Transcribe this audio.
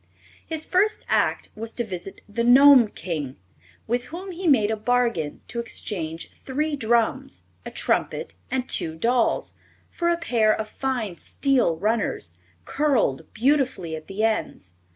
His first act was to visit the Gnome King, with whom he made a bargain to exchange three drums, a trumpet and two dolls for a pair of fine steel runners, curled beautifully at the ends.